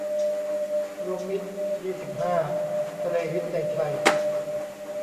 รวมมิตร ยี่สิบห้า ทะเลฮิตในไทย